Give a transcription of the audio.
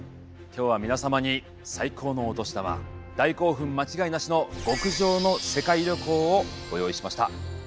今日は皆様に最高のお年玉大興奮間違いなしの極上の世界旅行をご用意しました。